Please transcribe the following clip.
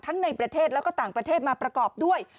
ในประเทศแล้วก็ต่างประเทศมาประกอบด้วย